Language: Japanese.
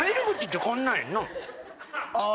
ああ。